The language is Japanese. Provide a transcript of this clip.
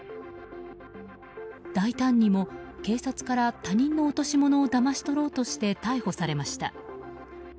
大胆にも警察から他人の落とし物をだまし取ろうとして逮捕されました。